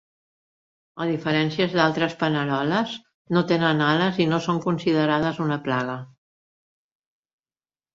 A diferència d'altres paneroles, no tenen ales i no són considerades una plaga.